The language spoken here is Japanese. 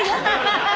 アハハハ！